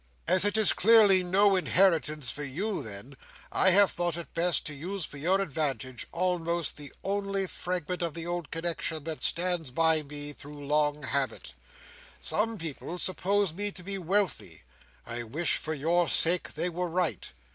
As it is clearly no inheritance for you then, I have thought it best to use for your advantage, almost the only fragment of the old connexion that stands by me, through long habit. Some people suppose me to be wealthy. I wish for your sake they were right.